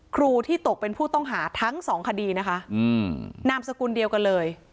ครูที่ตกเป็นผู้ต้องหาทั้งสองคดีนะคะนามสกุลเดียวกันเลย